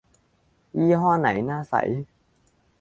ยี่ห้อไหนน่าใส่